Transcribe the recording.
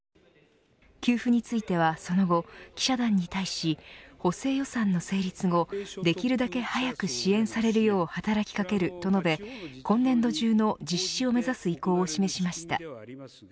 給付についてはその後記者団に対し補正予算の成立後できるだけ早く支援されるよう働きかけると述べ今年度中の実施を目指す意向を示しました。